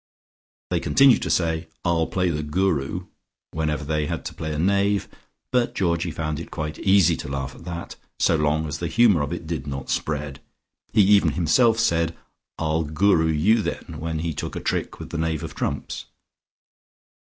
They continued to say, "I'll play the Guru," whenever they had to play a knave, but Georgie found it quite easy to laugh at that, so long as the humour of it did not spread. He even himself said, "I'll Guru you, then," when he took a trick with the Knave of Trumps.